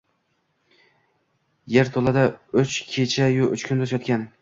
Yerto‘lada uch kecha-yu uch kunduz yotgan